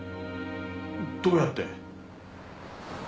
どうやって？